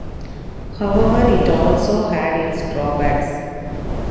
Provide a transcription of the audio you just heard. However, it also had its drawbacks.